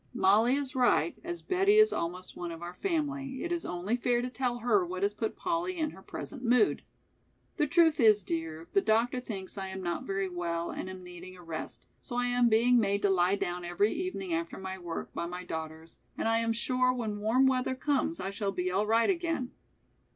"Mollie is right, as Betty is almost one of our family, it is only fair to tell her what has put Polly in her present mood. The truth is, dear, the doctor thinks I am not very well and am needing a rest, so I am being made to lie down every evening after my work, by my daughters, and I am sure when warm weather comes I shall be all right again."